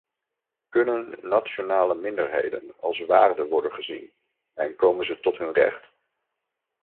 Kunnen nationale minderheden als waarde worden gezien en komen ze tot hun recht?